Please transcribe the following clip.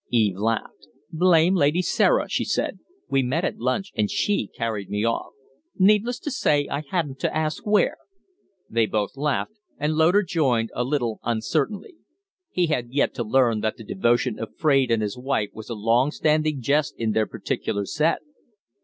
Eve laughed. "Blame Lady Sarah!" she said. "We met at lunch, and she carried me off. Needless to say I hadn't to ask where." They both laughed, and Loder joined, a little uncertainly. He had yet to learn that the devotion of Fraide and his wife was a long standing jest in their particular set.